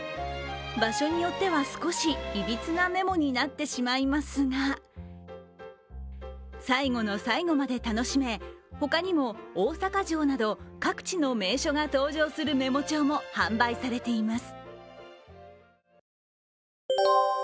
場所によっては、少しいびつなメモになってしまいますが最後の最後まで楽しめ、他にも大阪城など各地の名所も登場するメモ帳も販売されています。